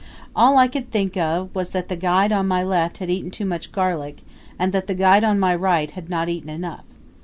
All I could think of was that the guide on my left had eaten too much garlic and that the guide on my right had not eaten enough.